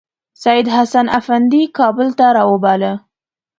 سیدحسن افندي کابل ته راوباله.